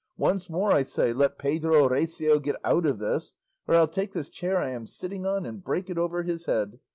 Once more I say let Pedro Recio get out of this or I'll take this chair I am sitting on and break it over his head.